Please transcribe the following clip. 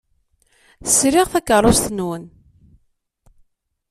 Sriɣ takeṛṛust-nwen.